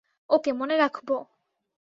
ওকে, মনে রাখব।